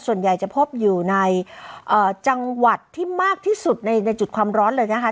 ส่วนใหญ่จะพบอยู่ในจังหวัดที่มากที่สุดในจุดความร้อนเลยนะคะ